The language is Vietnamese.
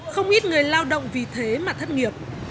không ít người lao động vì thế mà thất nghiệp